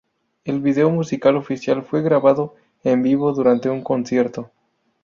El video musical oficial fue grabado en vivo durante un concierto.